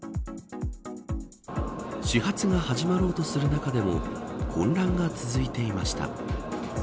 始発が始まろうとする中でも混乱が続いていました。